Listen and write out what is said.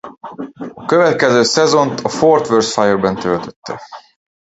A következő szezont a Fort Worth Fire-ben töltötte.